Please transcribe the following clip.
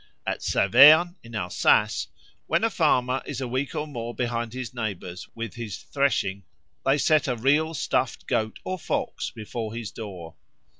At Saverne, in Alsace, when a farmer is a week or more behind his neighbours with his threshing, they set a real stuffed goat or fox before his door.